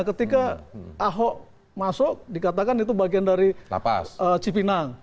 ketika ahok masuk dikatakan itu bagian dari cipinang